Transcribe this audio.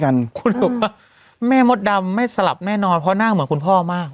คุณบอกว่าแม่มดดำไม่สลับแน่นอนเพราะหน้าเหมือนคุณพ่อมาก